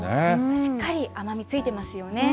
しっかり甘みついてますよね。